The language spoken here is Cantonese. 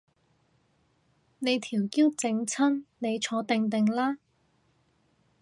你條腰整親，你坐定定啦